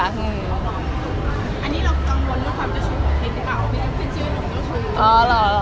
อันนี้เราก็กังวลด้วยความเจ้าชู้เห็นได้เปล่า